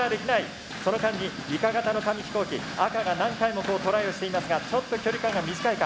その間にイカ型の紙飛行機赤が何回もトライをしていますがちょっと距離感が短いか？